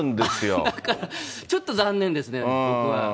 だから、ちょっと残念ですね、僕は。